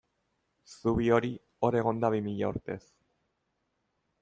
Zubi hori hor egon da bi mila urtez.